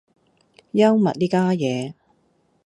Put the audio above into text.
幽默呢家嘢